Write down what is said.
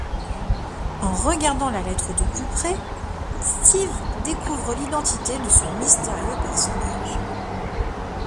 En regardant la lettre de plus près, Steve découvre l'identité de ce mystérieux personnage...